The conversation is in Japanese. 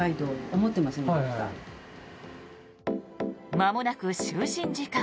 まもなく就寝時間。